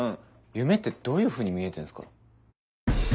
夢ってどういうふうに見えてんすか？